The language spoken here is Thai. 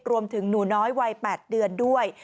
รวมถึงหนูน้อยวัย๘เดือนด้วย